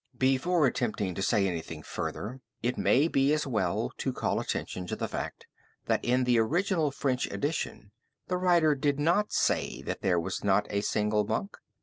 Before attempting to say anything further it may be as well to call attention to the fact that in the original French edition the writer did not say that there was not a single monk.